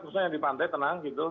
khususnya yang di pantai tenang gitu